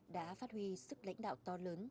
đã phát huy sức lãnh đạo to lớn